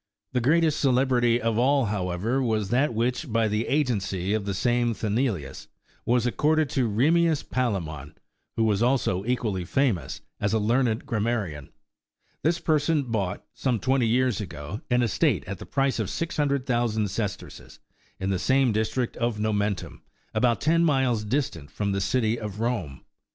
81 The greatest celebrity of all, however, was that which, by the agency of the same Sthenelus, was accorded to Ehemmius Palremon, who was also equally famous as a learned gram marian. This person bought, some twenty years ago, an estate at the price of six hundred thousand sesterces in the same district of Momentum, about ten miles distant from the City of Rome.